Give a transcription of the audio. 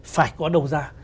phải có đầu ra